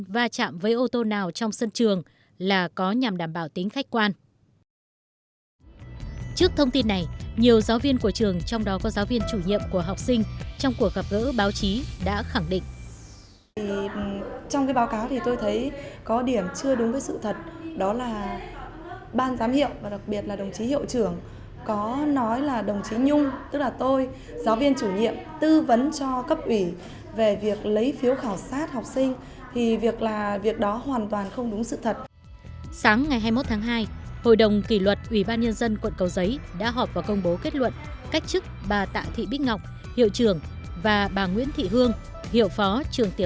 và bà nguyễn thị hương hiệu phó trường tiểu học nam trung yên cầu giấy hà nội